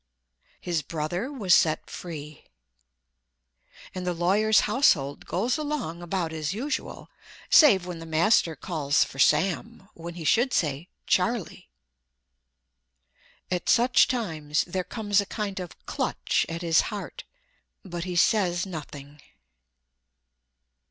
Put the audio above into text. His brother was set free. And the lawyer's household goes along about as usual, save when the master calls for "Sam," when he should say, "Charlie." At such times there comes a kind of clutch at his heart, but he says nothing.